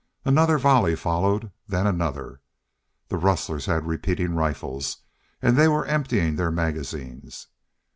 Another volley followed, then another. The rustlers had repeating rifles and they were emptying their magazines.